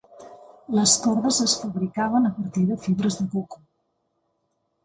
Les cordes es fabricaven a partir de fibres de coco.